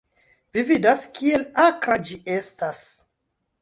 Vi vidas, kiel akra ĝi eŝtas?